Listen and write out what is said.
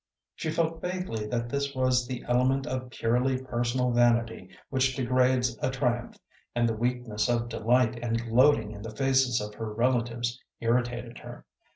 She felt vaguely that this was the element of purely personal vanity which degrades a triumph, and the weakness of delight and gloating in the faces of her relatives irritated her.